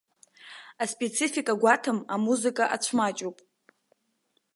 Аспецифика гәаҭам, амузыка ацәмаҷуп.